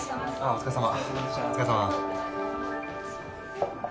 お疲れさま。